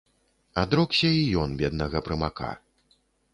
Адрокся і ён беднага прымака.